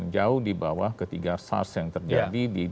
jauh di bawah ketiga sars yang terjadi di dua ribu dua dua ribu tiga